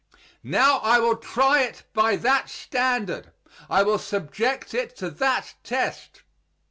Now I will try it by that standard; I will subject it to that test.